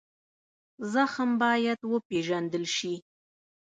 زخم باید وپېژندل شي.